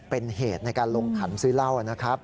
เป็นเหตุในการลงขันซื้อเหล้านะครับ